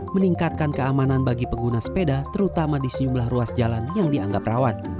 meningkatkan keamanan bagi pengguna sepeda terutama di sejumlah ruas jalan yang dianggap rawan